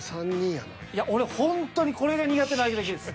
いや俺ほんとにこれが苦手なだけです。